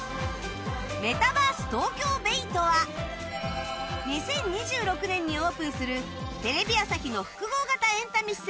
メタバース ＴＯＫＹＯＢＡＹ とは２０２６年にオープンするテレビ朝日の複合型エンタメ施設